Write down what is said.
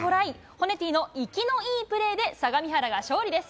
ホネティの生きのいいプレーで相模原が勝利です。